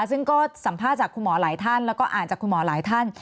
ซึ่งก็สัมภาษณ์จากคุณหมอหลายท่านแล้วก็อ่านจากคุณหมอหลายท่าน